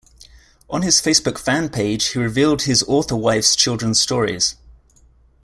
On his Facebook fan page, he revealed his author wife's children's stories.